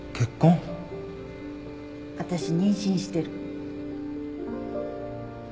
私妊娠してる